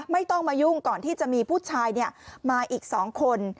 ไม่ต้องมายุ่งก่อนที่จะมีผู้ชายมาอีก๒คน